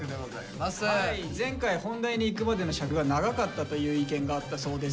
前回本題にいくまでの尺が長かったという意見があったそうです。